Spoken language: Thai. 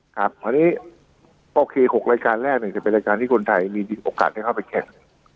ครับคราวนี้โอเค๖รายการแรกจะเป็นรายการที่คนไทยมีโอกาสได้เข้าไปแข่ง